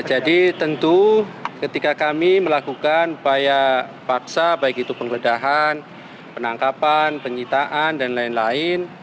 jadi tentu ketika kami melakukan banyak paksa baik itu pengledahan penangkapan penyitaan dan lain lain